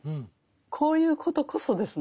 こういうことこそですね